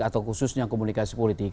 atau khususnya komunikasi politik